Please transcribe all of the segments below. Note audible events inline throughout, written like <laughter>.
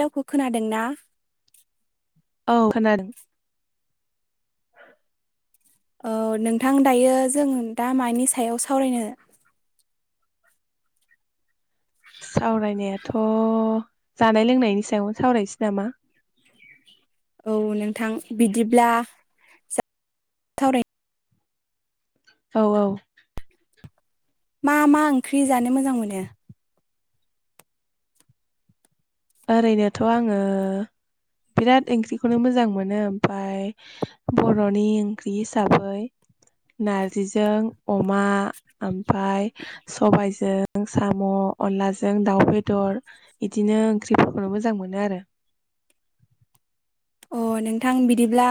रावखौ खोनादों ना औ खोनादों औ नोंथां दायो जों दा मानि सायाव सावरायनो सावरायनाया थ' जानाय लोंनायनि सायावनो सावरायसै नामा औ नोंथां बिदिब्ला सावराय औ औ मा मा ओंख्रि जानो मोजां मोनो ओरैनोथ' आङो बिराद ओंख्रिखौनो मोजां मोनो ओमफ्राय बर'नि ओंख्रि हिसाबै नारजिजों अमा ओमफ्राय सबायजों साम' अनलाजों दाउ बेदर बिदिनो ओंख्रिफोरखौनो मोजां मोनो आरो अ नोंथां बिदिब्ला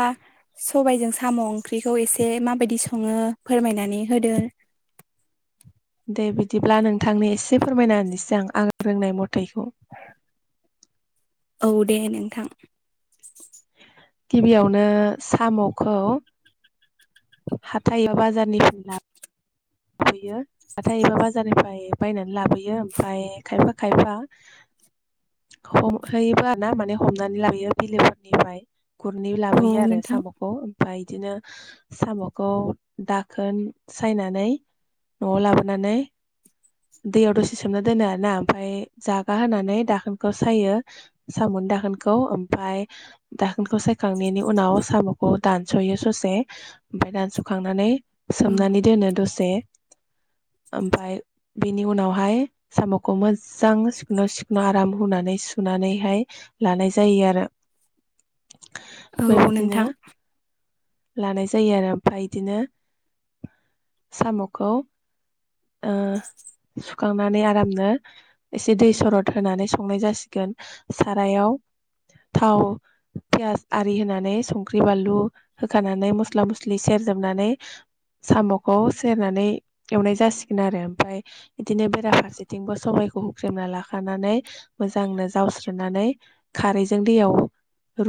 सबायजों साम' ओंख्रिखौ एसे माबायदि सङो फोरमायनानै होदो दे बिदिब्ला नोंथांनि एसे फोरमायना होनोसै आं आं रोंनाय मथायखौ औ दे नोंथां गिबियावनो साम'खौ हाथायाव बाजारनिफ्राय ला लाबोयो हाथाय एबा बाजारनिफ्राय बायनानै लाबोयो ओमफ्राय खायफा खायफा हमहैयोबो आरो ना माने हमनानै लाबोयो बिलोफोरनिफ्राय गुरै औ लाबोयो आरो नोंथां साम' खौ ओमफाय बिदिनो साम'खौ दाखोन सायनानै न'आव लाबोनानै दैयाव दसे सोमना दोनो आरो ना ओमफाय जागा होनानै दाखोनखौ सायो साम' दाखोनखौ ओमफाय दाखोनखौ सायखांनायनि उनाव साम'खौ दानस'यो ससे ओमफ्राय दानस'खांनानै औ सोमनानै दोनो दसे ओमफाय बेनि उनावहाय साम'खौ मोजां सिखोनाव सिखोनाव आराम होनानै सुनानैहाय लानाय जायो आरो औ बेबायदिनो नोंथां लानाय जायो आरो ओमफ्राय बिदिनो साम'खौ ओ सुखांनानै आरामनो एसे दै सरद होनानै संनाय जासिगोन सारायाव थाव पियास आरि होनानै संख्रि बानलु होखानानै मस्ला मस्लि सेरजोबनानै साम'खौ सेरनानै एवनाय जासिगोन आरो ओमफ्राय बिदिनो बेराफारसेथिंबो सबाइखौ हुख्रेमना लाखानानै मोजांनो जावस्रोनानै खारैजों दैयाव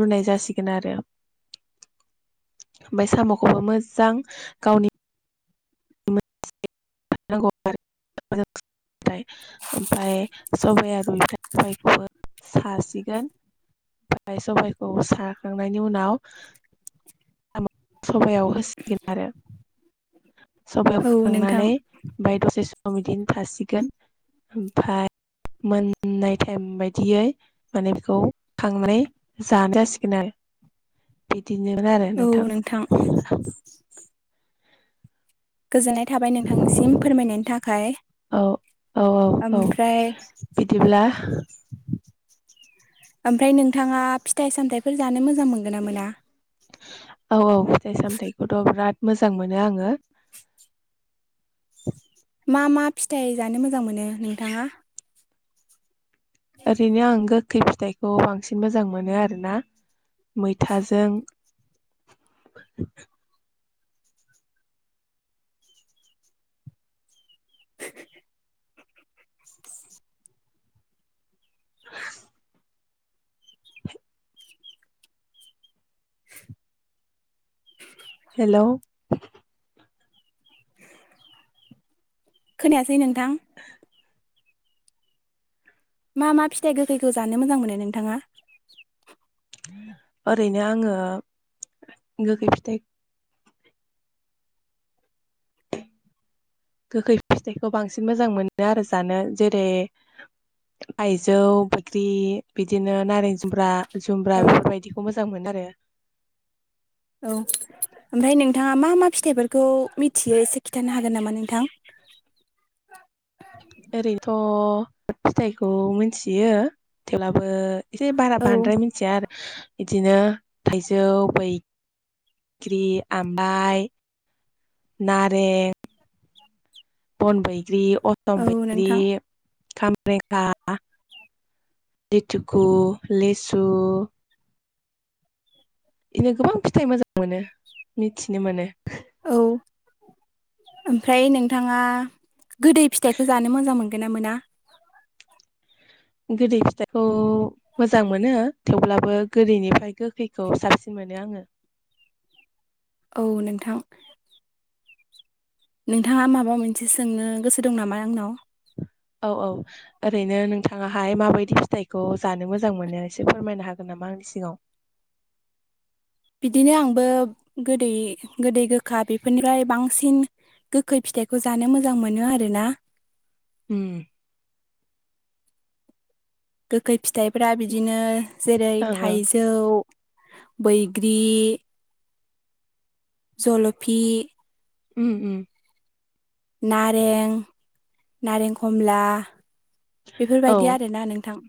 रुनाय जासिगोन आरो ओमफाय साम'खौबो मोजां गावनि <unintelligible> थाय ओमफाय सबाया रुबा <unintelligible> बि सबायखौबो सासिगोन ओमफाय सबायखौ साखांनायनि उनाव सबायाव होसिगोन आरो सबायाव औ नोंथां खांनानै ओमफाय दसे सम बिदिनो थासिगोन ओमफाय मोननाय टाइम बायदियै माने बेखौ खांनानै जानो जासिगोन आरो बिदिनोमोन आरो नोंथां गोजोननाय थाबाय नोंथांसिम फोरमायनायनि थाखाय औ औ औ ओमफ्राय बिदिब्ला ओमफ्राय नोंथाङा फिथाइ सामथायाइफोर जानो मोजां मोनगोन ना मोना औ औ फिथाइ सामथाइखौथ' बिराद मोजां मोनो आङो मा मा फिथाइ जानो मोजां मोनो नोंथाङा ओरैनो आं गोखै फिथाइ खौ बांसिन मोजां मोनो आरोना मैथाजों <inaudible> <inaudible> <inaudible> हेल' खोनायासै नोंथां <inaudible> मा मा फिथाइ गोखैखौ जानो मोजां मोनो नोंथाङा ओरैनो आङो गोखै फिथाइ गोखै फिथाइखौ बांसिन मोजां मोनो आरो जानो जेरै थाइजौ बैग्रि बिदिनो नारें जुमब्रा औ जुमब्रा बेफोरबायदिखौ मोजां मोनो आरो औ ओमफ्राय नोंथाङा मा मा फिथाइफोरखौ मिथियो एसे खिन्थानो हागोन नामा नोंथां ओरैनोथ फिथाइखौ मिथियो थेवब्लाबो एसे बारा औ बांद्राय मिथिया आरो बिदिनो थाइजौ बैग्रि आमला नारें बन बैग्रि असम औ बैग्रि नोंथां खामरेगा लिटुकु लिसु इदिनो गोबां फिथाइ मोजां मोनो मिथिनो मोनो औ <inaudible> ओमफ्राय नोंथाङा गोदै फिथाइखौ जानो मोजां मोनगोना मोना गोदै फिथाइखौ मोजां मोनो थेवब्लाबो गोदैनिफ्राय गोखैखौ साबसिन मोनो आङो औ नोंथां नोंथाङा माबा मोनसे सोंनो गोसो दं नामा आंनाव औ औ ओरैनो नोंथाङाहाय माबायदि फिथाइखौ जानो मोजां मोनो एसे फोरमायनो हागोन नामा आंनि सिगाङाव बिदिनो आंबो गोदै गोदै गोखा बेफोरनिफ्राय बांसिन गोखै फिथाइखौ जानो मोजां मोनो आरोना उम गोखै फिथाइफ्रा बिदिनो जेरै ओं ओं थाइजौ जौ बैग्रि जलफि उम उम नारें नारें खमला औ बेफोरबायदि आरोना नोंथां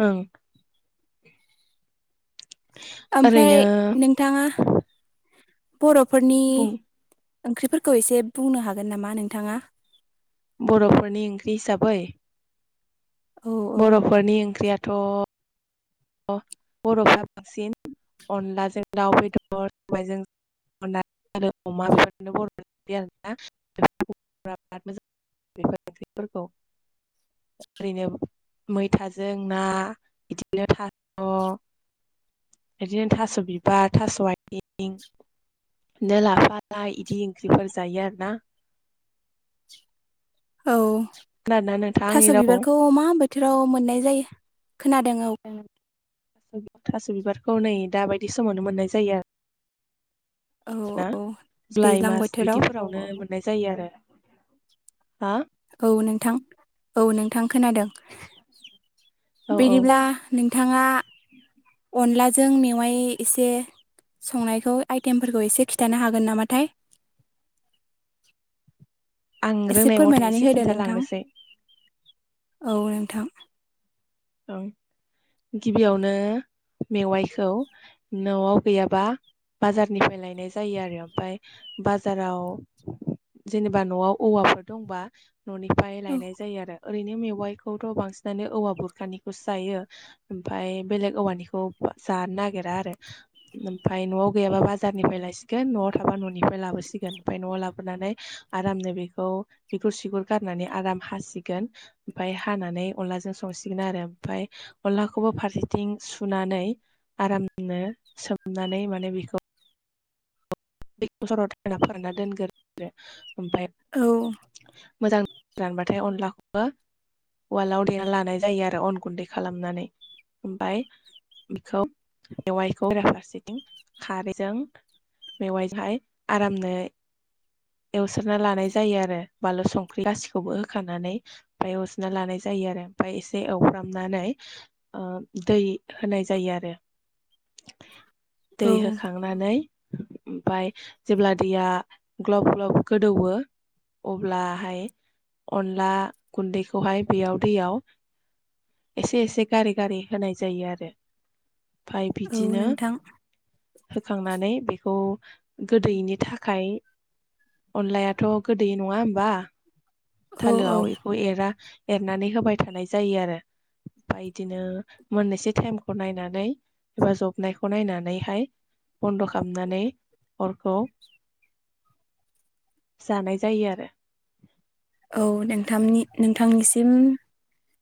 ओं ओमफ्राय ओरैनो नोंथाङा बर'फोरनि बुं ओंख्रिफोरखौ एसे बुंनो हागोन नामा नोंथाङा बर'फोरनि ओंख्रि हिसाबै औ औ बर'फोरनि ओंख्रियाथ बर'फ्रा बांसिन अनलाजों दाउ बेदर सबायजों अमा बेफोरनो बर' ओंख्रि आरोना बिराद मोजां बेफोर ओंख्रिफोरखौ ओरैनो मैथाजों ना बिदिनो थास बिदिनो थास बिबार थास आइथिं बिनो लाफा लाइ इदि ओंख्रिफोर जायो आरोना औ खोनादोंना नोंथाङा थास आंनि रावखौ बिबारखौ मा बा बोथोराव मोननाय जायो खोनादों औ थास बिबारखौ नै दाबायदि समावनो मोननाय जायो आरो औ हा जुलाइ दैज्लां मास बोथोराव बिदिफोराव नो मोननाय जायो आरो हा औ नोंथां औ नोंथां खोनादों औ औ बिदिब्ला नोंथाङा अनलाजों मेवाय एसे संनायखौ आइटेमफोरखौ एसे खिन्थानो हागोन नामाथाय आं एसे रोंनाय मथे फोरमायनानै एसे होदो नोंथां खिन्थालांनोसै औ नोंथां औ गिबियावनो मेवाइखौ न'आव गैयाबा बाजारनिफ्राय लायनाय जायो आरो ओमफ्राय बाजाराव जेनेबा न'आव औवाफोर दंबा न'निफ्राय लायनाय जायो आरो ओरैनो मेवाइखौथ बांसिनानो औवा बुर खानिखौसो जायो ओमफ्राय बेलेग औवानिखौ जानो नागिरा आरो। ओमफ्राय न'आव गैयाबा बाजारनिफ्राय लायसिगोन न'आव थाबा न'निफ्राय लाबोसिगोन ओमफ्राय न'आव लाबोनानै। आरामनो बेखौ बिगुर सिगुर गारनानै आराम हासिगोन ओमफ्राय हानानै अनलाजों संसि गोन आरो ओमफ्राय अनलाखौबो फारसेथिं सुनानै। आरामनो सोमनानै माने बेखौ। दै सरद होना फोरानना दोनग्रोदो ओमफ्राय औ। मोजां रानबाथाय अनलाखौबो वालाव देना लानाय जायो आरो अन गुन्दै खालामनानै ओमफ्राय बेखौ मेएवाइखौराफारसेथिं खारैजों मेवाइजोंहाय आरामनो एवस्रना लानाय जायो आरो बानलु संख्रि गाैखौबो होखानानै। ओमफ्राय एवजना लानाय जायो आरो ओमफ्राय एसे एवफ्रामनानै दै। होनाय जायो आरो औ दै होखांनानै ओमफफ्राय जेब्ला दैया ग्लब ग्लब गोदौवो। अब्लाहाय अनला गुन्दैखौहाय बेयाव दैयाव एसे एसे गारि गारि होनाय जायो आरो। ओमफाय औ बिदिनो नोंथां होखांनानै बेखौ। थ गोदैनि थाखाय अनलायाथ' गोदै नङा होमबा। औ औ थालोआव बेखौ एरा एरनानै होबाय थानाय जायो आरो। ओमफ्राय इदिनो मोननैसो टाइमखौ नायनानै एबा जबनायखौ नायनानैहाय। बन्द' खालामनानै अरखौ। जानाय जायो आरो औ नोंथांनि नोंथांनिसिम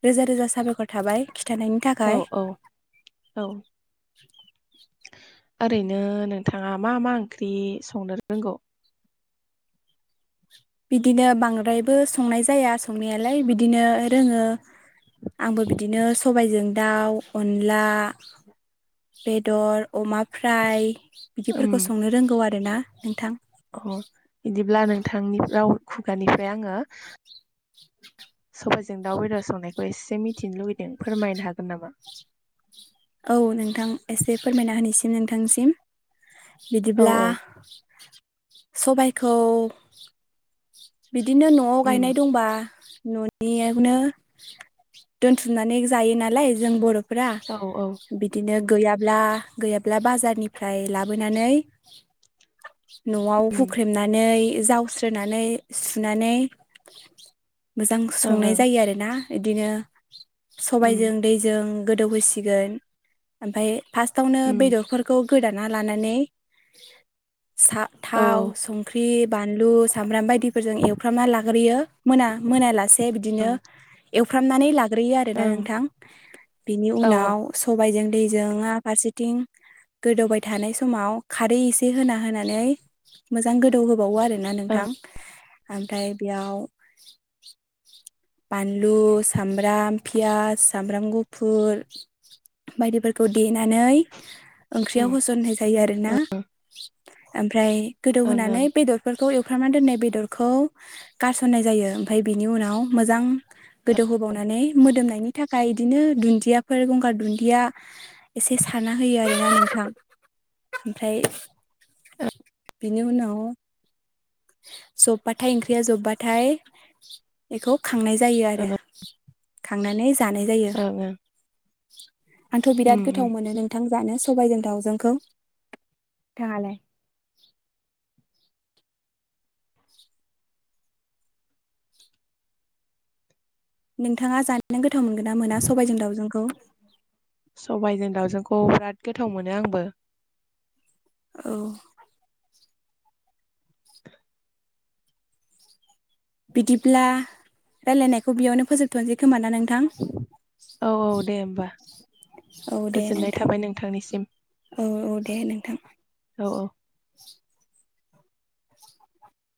रोजा रोजा साबायखर थाबाय खिन्थानायनि। औ थाखाय औ औ। ओरैनो नोंथाङा मा मा ओंख्रि संनो रोंगौ। बिदिनो बांद्रायबो संनाय जाया संनायालाय बिदिनो रोङो। आंबो बिदिनो सबायजों दाउ अनला। बेदर अमा फ्राय उम बिदिफोरखौ संनो रोंगौ आरोना नोंथां। अ बिदिब्ला नोंथांनि राव खुगानिफ्राय आङो। सबायजों दाव बेदर संनायखौ एसे मिथिनो लुगैदों फोरमायनो हागोन नामा। औ नोंथां एसे फोरमायना होनायसिम नोंथांसिम औ बिदिब्ला औ सबाइखौ बिदिनो न'आव उम गायनाय दंबा न'नि बेयावनो दोनथुमनानै जायो नालाय जों बर'फोरा। औ औ बिदिनो गैयाब्ला गैयाब्ला बाजारनिफ्राय लाबोनानै न'आव उम हुख्रेमनानै जावस्रोनानै सुनानै मोजां ओं संनाय ओं जायो आरोना बिदिनो उम सबायजों दैजों गोदौहैसिगोन ओमफ्राय फार्स्टआवनो उम बेदरफोरखौ गोदाना लानानै औ थाव संख्रि बानलु सामब्राम बायदि जों एवफ्रामना लाग्रोयो मोना मोनालासे बिदिनो ओं एवफ्रामनानै ला आरोना ओं नोंथां बिनि औ उनाव सबायजों दैजों फारसेथिं गोदौबाय थानाय समाव खारै एसे होना होनानै मोजां गोदौ होबावो आरो मोना ओं नोंथां ओमफ्राय बेयाव बानलु सामब्राम पियास सामब्राम गुफुर बायदिफोरखौ देनानै ओंख्रियाव उम होसननाय जायो आरोना ओमफ्राय गोदौ ओं होनोनानै ओं बेदर बेफोरखौ एवफ्रामनानै दोननाय बेदरखौ गारसननाय जायो ओमफ्राय बिनि उनाव मोजां गोदौहोबावनानै मोदोमनायनि थाखाय इदिनो दुन्दियाफोर गंगार दुन्दिया एसे साना होयो आरोना नोंथां ओमफ्राय बेनि उनाव जब्बाथाय ओंख्रिया जब्बाथाय बेखौ खांनाय जायो आरो ओं खांनानै जानाय जायो ओं ओं आंथ' उम बिराद गोथाव उम मोनो नोंथां जानो सबायजों दावजोंखौ नोंथाङा लाय नोंथाङा जानो गोथाव मोनगोन ना मोना सबायजों दाउजोंखौ सबायजों दावजोंखौ बिराद गोथाव मोनो आंबो औ बिदिब्ला रायलायनायखौ बेयावनो फोजोबथ'नोसै खोमा ना नोंथां औ औ दे होमबा औ दे गोजोननाय नोंथां थाबाय नोंथांनिसिम औ औ दे नोंथां औ औ